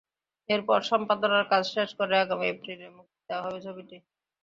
এরপর সম্পাদনার কাজ শেষ করে আগামী এপ্রিলে মুক্তি দেওয়া হবে ছবিটি।